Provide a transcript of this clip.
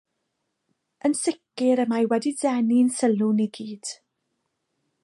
Yn sicr y mae wedi denu ein sylw ni i gyd